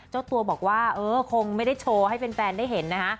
เจ้าตัวบอกว่าเออคงไม่ได้โชว์ให้แฟนได้เห็นนะคะ